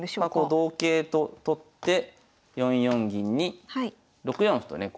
同桂と取って４四銀に６四歩とね